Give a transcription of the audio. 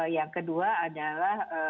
yang kedua adalah